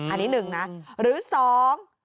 อันนี้หนึ่งนะหรือสอง